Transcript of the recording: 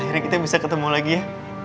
akhirnya kita bisa ketemu lagi ya